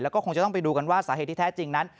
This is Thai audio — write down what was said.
แล้วก็คงจะต้องไปดูกันว่าสาเหตุที่แท้จริงนั้น